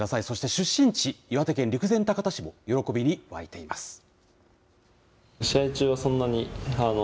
そして出身地、岩手県陸前高田市も喜びに沸いています。